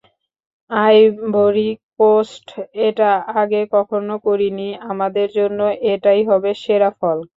Ivory Coast এটা আগে কখনো করেনি, আমাদের জন্য এটাই হবে সেরা ফল।